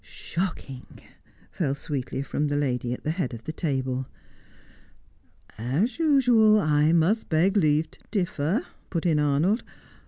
"Shocking!" fell sweetly from the lady at the head of the table. "As usual, I must beg leave to differ," put in Arnold.